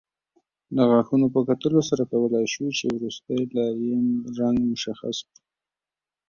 د غاښونو په کتلو سره کولای شو چې وروستۍ لایې رنګ مشخص کړو